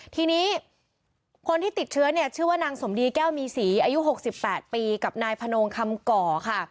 ทีนี้คนที่ติดเชื้อเนี่ยชื่อว่านางสมดีแก้วมีศรีอายุ๖๘ปีกับนายพนงคำก่อค่ะ